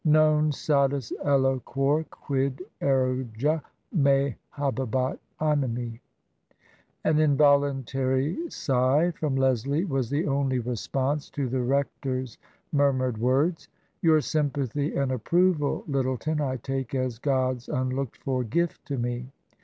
' Non satis eloquor quid erga me habebat animi^ " An involuntary sigh from Leslie was the only response to the rector's murmured words. "Your sympathy and approval, Lyttleton, I take as God's unlooked for gift to me.